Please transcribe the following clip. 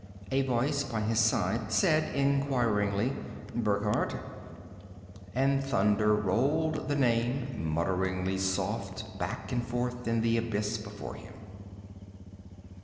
A voice by his side said inquiringly, "Burckhardt?" And thunder rolled the name, mutteringly soft, back and forth in the abyss before him.